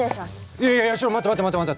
いやいやいやちょっと待って待って待って待って。